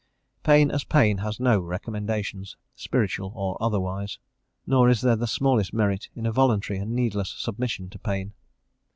Pain as pain has no recommendations, spiritual or otherwise; nor is there the smallest merit in a voluntary and needless submission to pain.